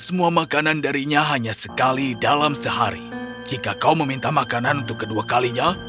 semua makanan darinya hanya sekali dalam sehari jika kau meminta makanan untuk kedua kalinya